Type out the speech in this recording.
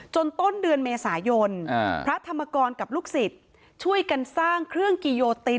ต้นเดือนเมษายนพระธรรมกรกับลูกศิษย์ช่วยกันสร้างเครื่องกิโยติน